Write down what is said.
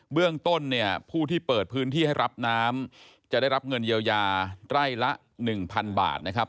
เรื่องต้นเนี่ยผู้ที่เปิดพื้นที่ให้รับน้ำจะได้รับเงินเยียวยาไร่ละ๑๐๐บาทนะครับ